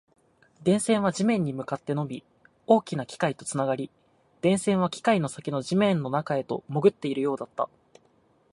電線は地面に向かって伸び、大きな機械とつながり、電線は機械の先の地面の中へと潜っているようだった